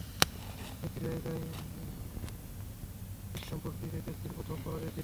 নিশ্চিত হয়ে যায় হোসে মরিনহোর অধীনে স্টামফোর্ড ব্রিজে চেলসির প্রথম পরাজয়টি।